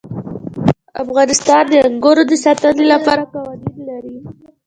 افغانستان د انګورو د ساتنې لپاره قوانین لري.